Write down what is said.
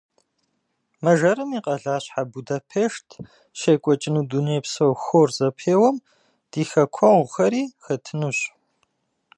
Мэжэрым и къэлащхьэ Будапешт щекӏуэкӏыну дунейпсо хор зэпеуэм ди хэкуэгъухэри хэтынущ.